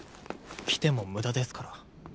来ても無駄ですから。